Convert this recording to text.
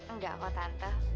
enggak kok tante